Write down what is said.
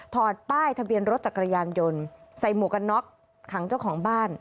ป้ายทะเบียนรถจักรยานยนต์ใส่หมวกกันน็อกขังเจ้าของบ้าน